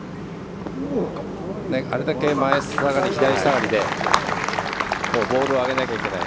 あれだけ前下がり、左下がりでボールを上げなきゃいけない。